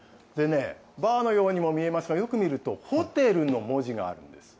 バーのようにも見えますが、よく見ると、ホテルの文字があるんです。